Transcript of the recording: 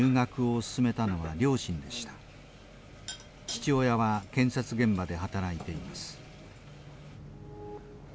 父親は建設現場で働いています。